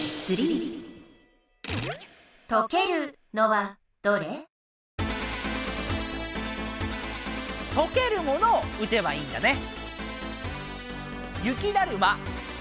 「とける」ものを撃てばいいんだね。